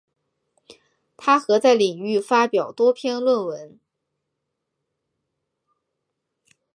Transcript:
她和在领域发表多篇论文。